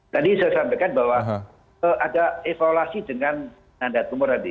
tadi saya sampaikan bahwa ada evaluasi dengan nanda tumor tadi